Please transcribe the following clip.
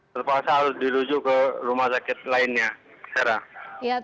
terpaksa harus dirujuk ke rumah sakit lainnya